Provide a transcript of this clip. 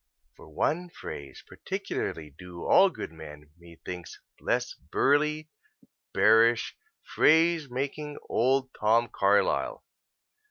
For one phrase particularly do all good men, methinks, bless burly, bearish, phrase making old Tom Carlyle.